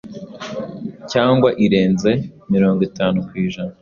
cyangwa irenze mirongo itanu ku ijana ;